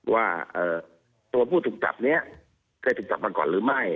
ว่าเอ่อตัวผู้ถูกจับเนี้ยได้ถูกจับตัวก่อนหรือไม่